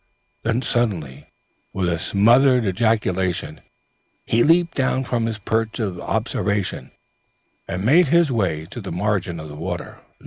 Then suddenly, with a smothered ejaculation, he leaped down from his perch of observation, and made his way to the margin of the water.